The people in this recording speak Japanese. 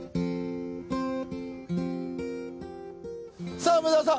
さあ梅沢さん